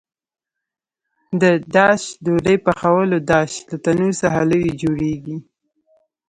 د داش ډوډۍ پخولو داش له تنور څخه لوی جوړېږي.